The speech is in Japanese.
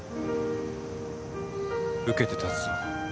受けて立つぞ。